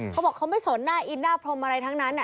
เขาบอกเขาไม่สนหน้าอินหน้าพรมอะไรทั้งนั้น